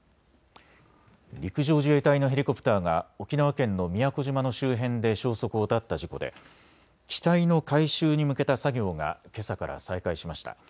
陸上自衛隊のヘリコプターが沖縄県の宮古島の周辺で消息を絶った事故で機体の回収に向けた作業がけさから再開しました。